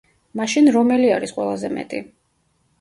მაშინ რომელი არის ყველაზე მეტი?